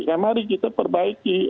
ya mari kita perbaiki